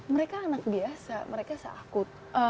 mereka anak biasa mereka se akut